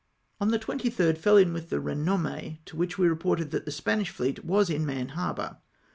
On the 23rd fell in with the Renomme, to which we reported that the Spanish fleet was in Mahon harbour.